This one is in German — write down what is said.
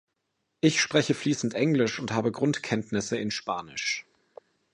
Ich spreche fließend Englisch und habe Grundkenntnisse in Spanisch.